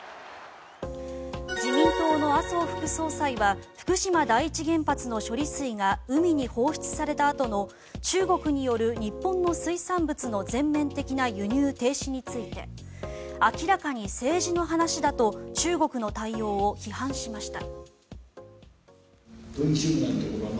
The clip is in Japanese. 自民党の麻生副総裁は福島第一原発の処理水が海に放出されたあとの中国による日本の水産物の全面的な輸入停止について明らかに政治の話だと中国の対応を批判しました。